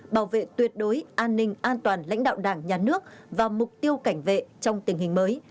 bảo vệ tuyệt đối an ninh an toàn lãnh đạo đảng nhà nước và mục tiêu cảnh vệ trong tình hình mới